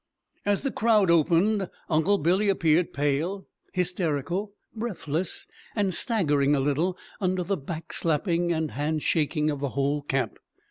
As the crowd opened, Uncle Billy appeared, pale, hysterical, breathless, and staggering a little under the back slapping and hand shaking of the whole camp.